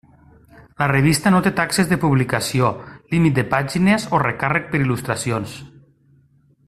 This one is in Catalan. La revista no té taxes de publicació, límit de pàgines o recàrrec per il·lustracions.